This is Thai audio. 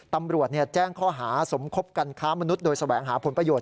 ตำรวจแจ้งข้อหาสมคบกันค้ามนุษย์โดยแสวงหาผลประโยชน